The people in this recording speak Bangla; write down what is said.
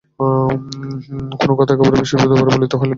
কোনো কথা একবারের বেশি দুবার বলিতে হইলে বিরক্তির তাহার সীমা থাকে না।